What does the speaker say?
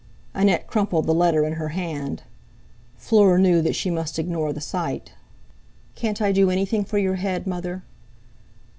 Annette crumpled the letter in her hand. Fleur knew that she must ignore the sight. "Can't I do anything for your head, Mother?"